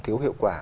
cứu hiệu quả